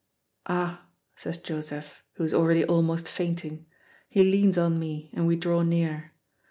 "Ah!" says Joseph, who is already almost fainting. He leans on me and we draw near.